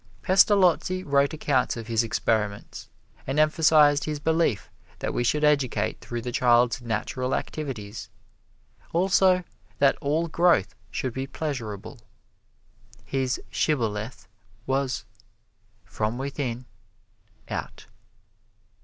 Pestalozzi wrote accounts of his experiments and emphasized his belief that we should educate through the child's natural activities; also that all growth should be pleasurable. His shibboleth was, "From within, out."